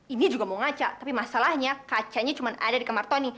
ini juga mau ngacak tapi masalahnya kacanya cuma ada di kamar tony